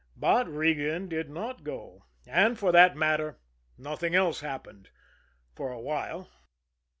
But Regan did not go; and, for that matter, nothing else happened for a while.